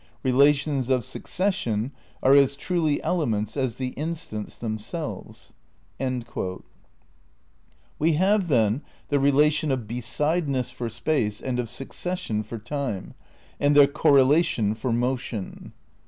Relations of succession are as truly elements as the instants themselves." ' We have, then, the relation of besideness for space and of succession for time, and their correlation for motion.